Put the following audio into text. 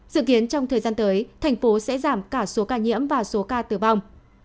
dự kiến trong thời gian tới thành phố sẽ giảm cả số ca nhiễm và số ca tử vong